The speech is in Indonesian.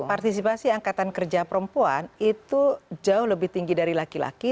partisipasi angkatan kerja perempuan itu jauh lebih tinggi dari laki laki